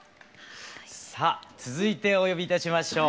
さあ続いてお呼び致しましょう。